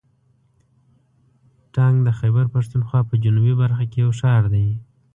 ټانک د خیبر پښتونخوا په جنوبي برخه کې یو ښار دی.